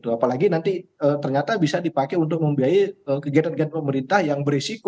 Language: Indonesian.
apalagi nanti ternyata bisa dipakai untuk membiayai kegiatan kegiatan pemerintah yang berisiko